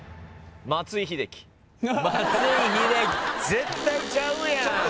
絶対ちゃうやん！